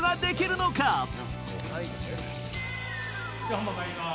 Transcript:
本番まいります。